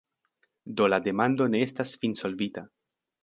Do la demando ne estas finsolvita.